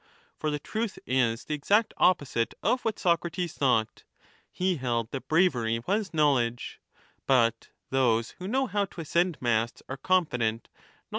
For the truth is the exact opposite of what Socrates thought ; he held that bravery was knowledge. But those who know how to ascend masts are confident not because 28 30 = E. N. 1115b 26 29. 30 1230* 4 = E.